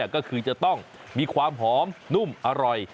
ก็คือจะต้องมีความหอมนุ่มอร่อย